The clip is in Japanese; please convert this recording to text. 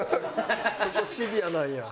そこシビアなんや。